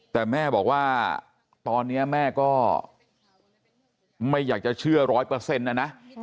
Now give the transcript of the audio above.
แต่แม่บอกว่าตอนนี้แม่ก็ไม่อยากจะเชื่อร้อยเปอร์เซ็นต์นะนะ